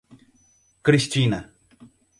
Cristina